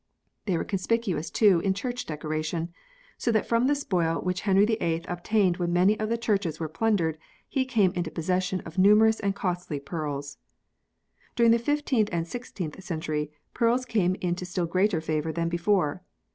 They were conspicuous too in church decoration, so that from the spoil which Henry VIII obtained when many of the churches were plundered, he came into possession of numerous and costly pearls. During the loth and 16th centuries, pearls came into still greater favour than before.